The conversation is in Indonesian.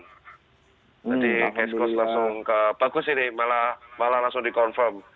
jadi kaskos langsung ke bagus ini malah langsung di confirm